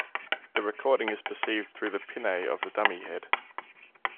The recording is perceived through the pinnae of the dummy head.